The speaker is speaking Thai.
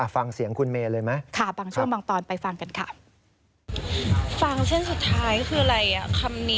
ฟังเสียงคุณเมย์เลยไหม